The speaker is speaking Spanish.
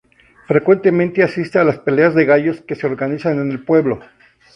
Frecuentemente asiste a las peleas de gallos que se organizan en el pueblo.